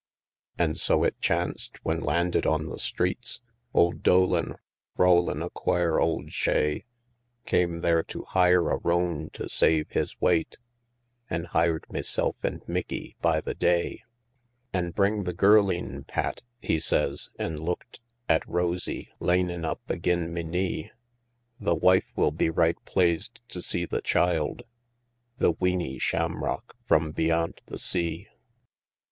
An' so it chanced, when landed on the streets, Ould Dolan, rowlin' a quare ould shay, Came there to hire a roan to save his whate, An' hired meself and Mickie by the day. "An' bring the girleen, Pat," he says, an' looked At Rosie lanin' up agin me knee; "The wife will be right plaised to see the child, The weeney shamrock from beyant the sea.